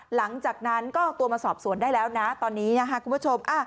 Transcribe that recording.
หลังจากนั้นก็เอาตัวมาสอบสวนได้แล้วนะตอนนี้นะคะคุณผู้ชม